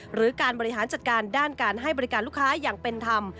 หรือการบริหารจัดการด้านการให้บริการลูกค้าอย่างเป็นธรรม